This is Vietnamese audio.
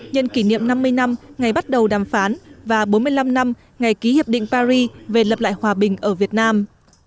nhân kỷ niệm năm mươi năm ngày bắt đầu đàm phán và bốn mươi năm năm ngày ký hiệp định paris về lập lại hòa bình ở việt nam